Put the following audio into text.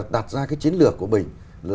đặt ra cái chiến lược của mình